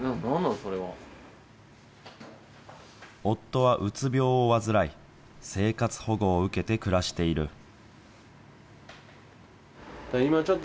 夫はうつ病を患い、生活保護を受けて暮らしている。